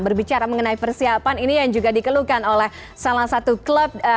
berbicara mengenai persiapan ini yang juga dikeluhkan oleh salah satu klub